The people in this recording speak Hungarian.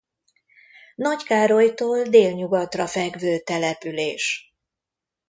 Nagykárolytól délnyugatra fekvő település.